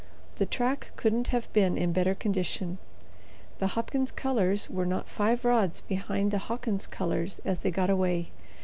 The track couldn't have been in better condition. The Hopkins colors were not five rods behind the Hawkins colors as they got away.